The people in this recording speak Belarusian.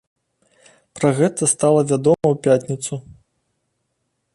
Пра гэта стала вядома ў пятніцу.